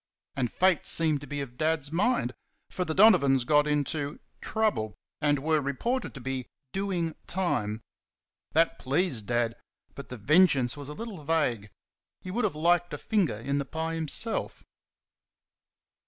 And Fate seemed to be of Dad's mind; for the Donovans got into "trouble,", and were reported to be "doing time." That pleased Dad; but the vengeance was a little vague. He would have liked a finger in the pie himself.